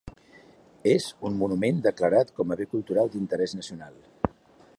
És un monument declarat com a bé cultural d'interès nacional.